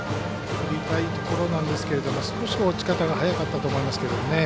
振りたいところなんですけど少し落ち方が早かったと思います。